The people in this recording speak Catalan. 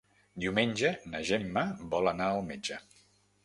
Diumenge na Gemma vol anar al metge.